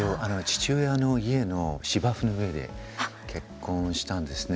父親の家の芝生の上で結婚したんですね。